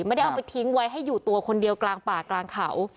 ไม่ได้เอาไปทิ้งไว้ให้อยู่ตัวคนเดียวกลางป่ากลางเขา